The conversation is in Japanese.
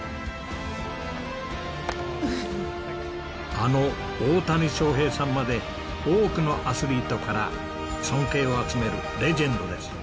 あの大谷翔平さんまで多くのアスリートから尊敬を集めるレジェンドです。